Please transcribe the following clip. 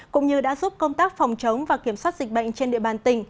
cũng như đã giúp công tác phòng chống và kiểm soát dịch bệnh trên địa bàn tỉnh